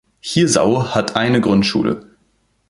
Hirsau hat eine Grundschule.